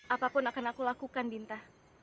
apapun akan aku lakukan dinta